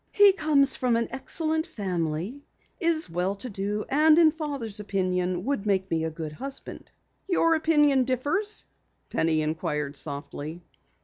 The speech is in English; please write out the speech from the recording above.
"He comes from an excellent family, is well to do, and in Father's opinion will make me a good husband." "Your opinion differs?" Penny inquired softly.